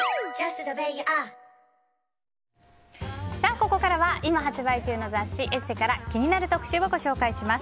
ここからは今発売中の雑誌「ＥＳＳＥ」から気になる特集をご紹介します。